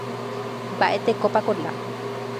Mba'etekópa Kola